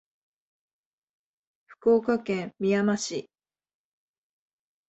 福岡県みやま市